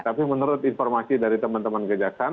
tapi menurut informasi dari teman teman kejaksaan